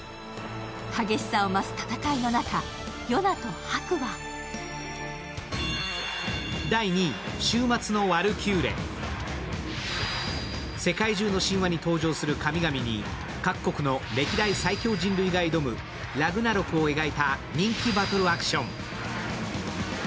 激しさを増す戦いの中、ヨナとハクは世界中の神話に登場する神々に各国の歴代最強人類が挑むラグナロクを描いた人気バトルアクション。